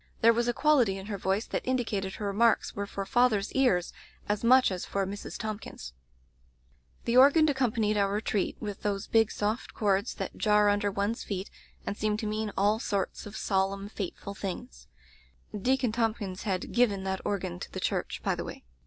There was a quality in her voice that indicated her remarks were for father's ears as much as for Mrs. Thomp kins's. "The organ accompanied our retreat, with those big soft chords that jar under one's feet and seem to mean all sorts of solemn, [ io6] Digitized by LjOOQ IC A Dispensation fateful things. (Deacon Thompkins had given that organ to the church, by the way.)